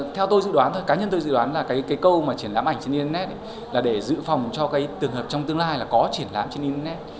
theo tôi dự đoán cá nhân tôi dự đoán là cái câu mà triển lãm ảnh trên internet là để dự phòng cho cái trường hợp trong tương lai là có triển lãm trên internet